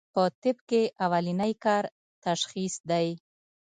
پۀ طب کښې اولنی کار تشخيص دی